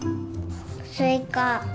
スイカ。